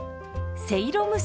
せいろ蒸し。